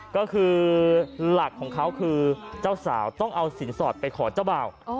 ก็คือหลักของเขาคือเจ้าสาวต้องเอาสินสอดไปขอเจ้าบ่าว